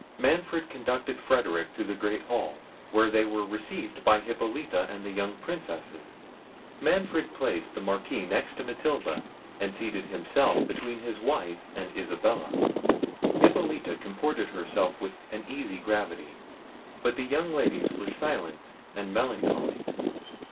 Manfred conducted Frederic to the great hall, where they were received by Hippolita and the young Princesses. Manfred placed the Marquis next to Matilda, and seated himself between his wife and Isabella. Hippolita comported herself with an easy gravity; but the young ladies were silent and melancholy.